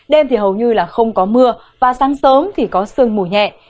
đêm thì hầu như không có mưa và sáng sớm thì có sương mùi nhẹ